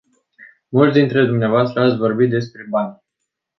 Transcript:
Mulți dintre dvs. ați vorbit despre bani.